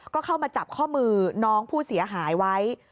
ก็เข้ามาจับข้อมือน้องผู้เสียหายไว้